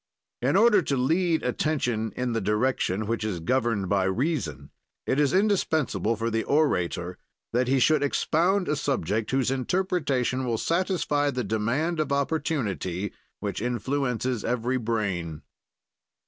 "In order to lead attention in the direction which is governed by reason, it is indispensable for the orator that he should expound a subject whose interpretation will satisfy the demand of opportunity, which influences every brain.